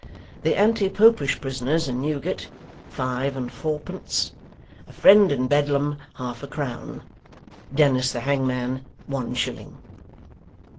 The anti popish prisoners in Newgate, five and fourpence. A friend in Bedlam, half a crown. Dennis the hangman, one shilling."